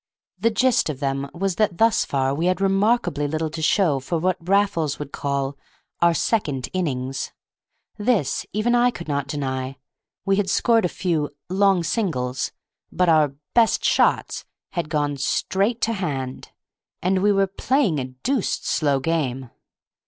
The gist of them was that thus far we had remarkably little to show for what Raffles would call "our second innings." This even I could not deny. We had scored a few "long singles," but our "best shots" had gone "straight to hand," and we were "playing a deuced slow game."